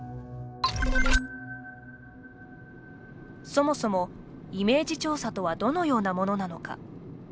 そもそもイメージ調査とはどのようなものなのか。